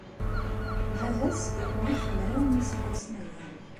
Baba-s yemmut mraw n yiseggasen aya.